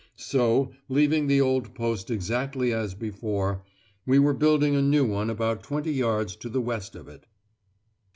So, leaving the old post exactly as before, we were building a new one about twenty yards to the west of it.